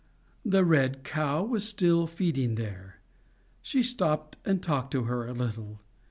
The red cow was still feeding there. She stopped and talked to her a little.